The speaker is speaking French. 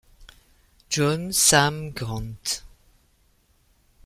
John, Sam Grant.